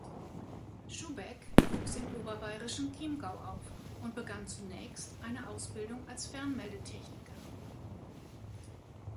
Schuhbeck wuchs im oberbayerischen Chiemgau auf und begann zunächst eine Ausbildung als Fernmeldetechniker.